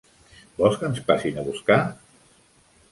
Vols que ens passin a buscar?